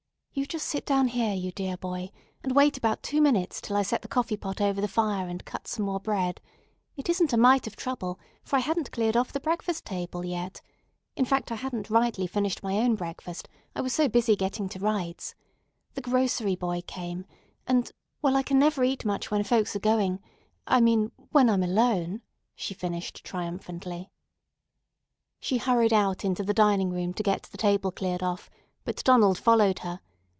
"You just sit down here, you dear boy, and wait about two minutes till I set the coffee pot over the fire and cut some more bread. It isn't a mite of trouble, for I hadn't cleared off the breakfast table yet. In fact, I hadn't rightly finished my own breakfast, I was so busy getting to rights. The grocery boy came, and—well, I never can eat much when folks are going—I mean when I'm alone," she finished triumphantly. She hurried out into the dining room to get the table cleared off, but Donald followed her.